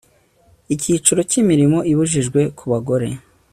icyiciro cya imirimo ibujijwe ku bagore